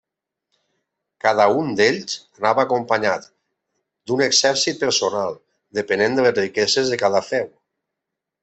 Cada un d'ells anava acompanyat d'un exèrcit personal, depenent de les riqueses de cada féu.